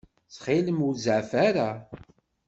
Ttxil-m, ur zeɛɛef ara.